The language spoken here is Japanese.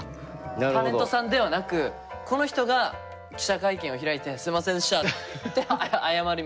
タレントさんではなくこの人が記者会見を開いてすみませんでしたって謝ります。